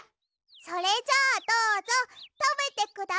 それじゃあどうぞたべてください。